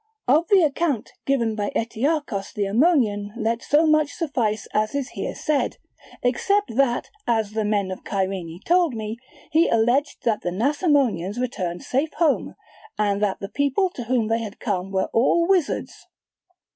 Of the account given by Etearchos the Ammonian let so much suffice as is here said, except that, as the men of Kyrene told me, he alleged that the Nasamonians returned safe home, and that the people to whom they had come were all wizards.